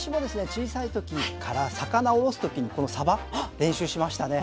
小さい時から魚をおろす時にこのさば練習しましたね。